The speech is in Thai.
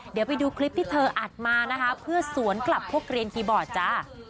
เดี๋ยวไปดูคลิปที่เธออัดมานะคะเพื่อสวนกลับพวกเรียนคีย์บอร์ดจ้า